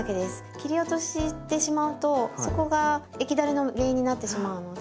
切り落としてしまうとそこが液だれの原因になってしまうので。